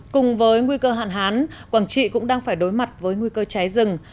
cùng với nguy cơ hạn hán quảng trị cũng đang phải đối mặt với nguy cơ cháy rừng